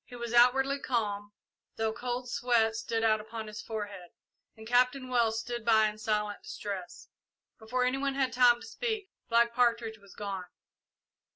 He was outwardly calm, though cold sweat stood out upon his forehead, and Captain Wells stood by in silent distress. Before any one had time to speak, Black Partridge was gone.